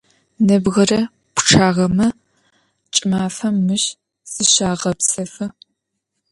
Nebgıre pççağeme ç'ımafem mış zışağepsefı.